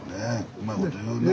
うまいこと言うなあ。